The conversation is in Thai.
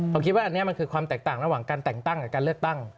ผมคิดว่าอันนี้มันคือความแตกต่างระหว่างการแต่งตั้งกับการเลือกตั้ง